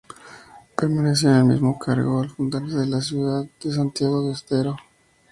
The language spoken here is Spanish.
Permaneció en el mismo cargo al fundarse la ciudad de Santiago del Estero.